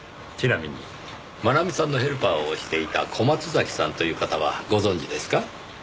ちなみに真奈美さんのヘルパーをしていた小松崎さんという方はご存じですか？